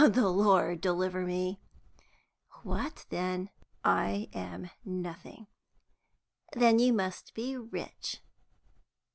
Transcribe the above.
"The Lord deliver me!" "What then?" "I am nothing." "Then you must be rich."